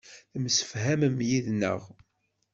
Temsefhamem yid-neɣ.